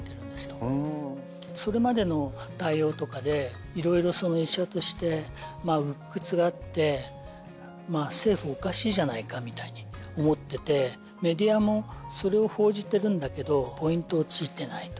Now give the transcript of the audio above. それまでの対応とかで色々医者として鬱屈があって政府おかしいじゃないかみたいに思っててメディアもそれを報じてるんだけどポイントを突いてないと。